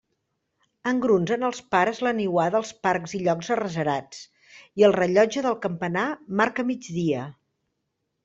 Engrunsen els pares la niuada als parcs i llocs arrecerats, i el rellotge del campanar marca migdia.